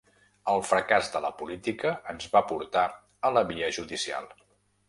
El fracàs de la política ens va portar a la via judicial.